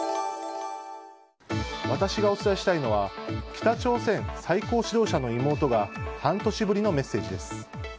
私がお伝えしたいのは北朝鮮最高指導者の妹が半年ぶりのメッセージです。